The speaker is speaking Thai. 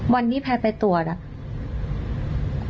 วันที่แพงไปตรวจ